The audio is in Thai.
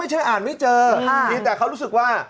ไม่ใช่อ่านไม่เจอแต่เขารู้สึกว่า